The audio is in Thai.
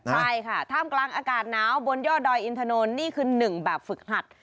ใช่ค่ะถ้ามกลางอากาศน้าวบนย่อดอยอินทนนี่คือ๑แบบฝึกหัด